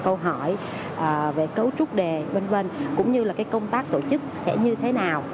câu hỏi về cấu trúc đề v v cũng như là công tác tổ chức sẽ như thế nào